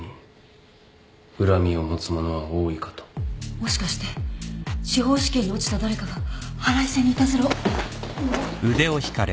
もしかして司法試験に落ちた誰かが腹いせにいたずらを。